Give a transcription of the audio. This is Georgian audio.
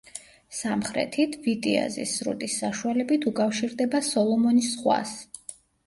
სამხრეთით, ვიტიაზის სრუტის საშუალებით უკავშირდება სოლომონის ზღვას.